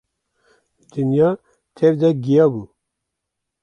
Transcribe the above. Dinya tev de giya bû.